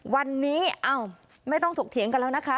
วันนี้ไม่ต้องถกเถียงกันแล้วนะคะ